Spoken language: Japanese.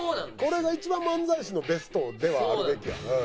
これが一番漫才師のベストではあるべきや。